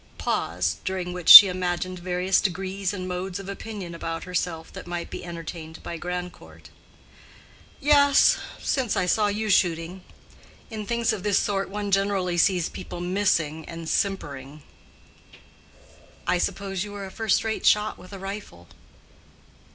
(Pause, during which she imagined various degrees and modes of opinion about herself that might be entertained by Grandcourt.) "Yes, since I saw you shooting. In things of this sort one generally sees people missing and simpering." "I suppose you are a first rate shot with a rifle."